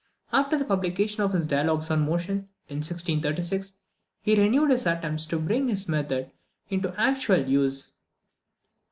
After the publication of his "Dialogues on Motion," in 1636, he renewed his attempts to bring his method into actual use.